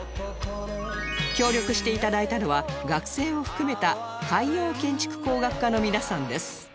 協力して頂いたのは学生を含めた海洋建築工学科の皆さんです